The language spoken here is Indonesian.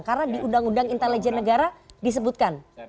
karena di undang undang intelijen negara disebutkan